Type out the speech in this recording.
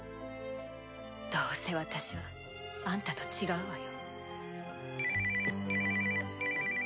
どうせ私はアンタと違うわよ。